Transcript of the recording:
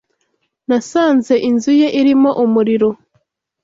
Nasanze inzu ye irimo umuriro.